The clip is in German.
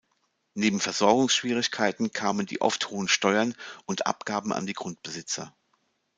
Neben Versorgungsschwierigkeiten kamen die oft hohen Steuern und Abgaben an die Grundbesitzer.